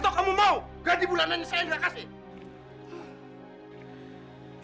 atau kamu mau ganti bulanannya saya yang dikasih